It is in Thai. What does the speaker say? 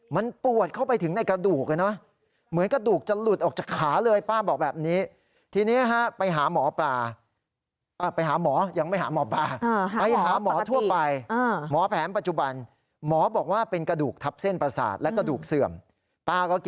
มันปวดเข้าไปถึงในกระดูก